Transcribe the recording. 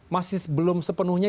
masih belum sepenuhnya